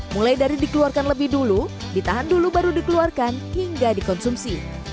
mulai dari dikeluarkan lebih dulu ditahan dulu baru dikeluarkan hingga dikonsumsi